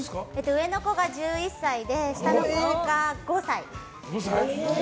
上の子が１１歳で下の子が５歳。